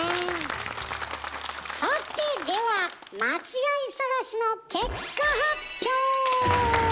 さてでは間違い探しの結果発表！